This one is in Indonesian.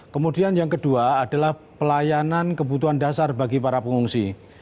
kemudian yang kedua adalah pelayanan kebutuhan dasar bagi para pengungsi